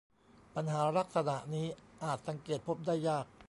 ปัญหาลักษณะนี้อาจสังเกตพบได้ยาก